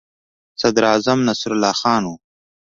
صدراعظم نصرالله خان وو.